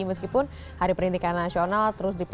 meskipun hari perianikan nasional